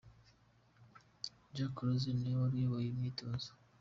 Jacques Rosier niwe wari uyoboye iyo myitozo.